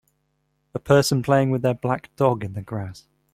A person playing with their black dog in the grass.